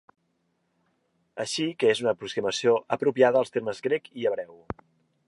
Així que és una aproximació apropiada als termes grec i hebreu.